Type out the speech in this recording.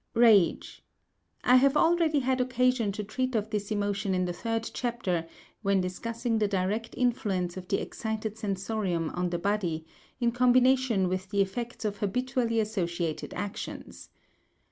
Rage.—I have already had occasion to treat of this emotion in the third chapter, when discussing the direct influence of the excited sensorium on the body, in combination with the effects of habitually associated actions.